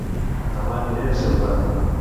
Dema aniré a Celrà